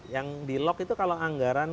yang di lock itu kalau anggaran